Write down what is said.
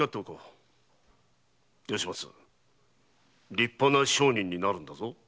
立派な商人になるんだぞ。